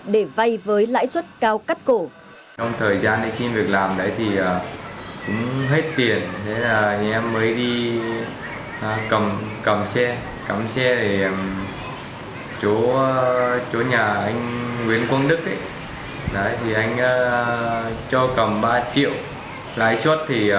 để vai với lãi suất cao cắt cổ